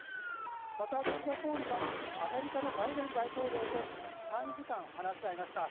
また、岸田総理はアメリカのバイデン大統領と短時間話し合いました。